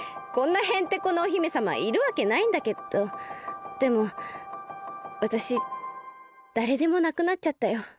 こんなヘンテコなお姫さまいるわけないんだけどでもわたしだれでもなくなっちゃったよ。